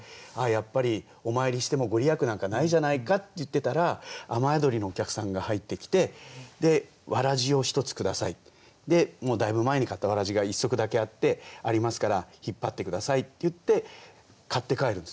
「やっぱりお参りしても御利益なんかないじゃないか」って言ってたら雨宿りのお客さんが入ってきてだいぶ前に買ったわらじが１足だけあって「ありますから引っ張って下さい」って言って買って帰るんです。